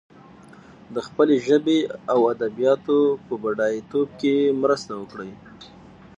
د خپلې ژبې او ادبياتو په بډايتوب کې مرسته وکړي.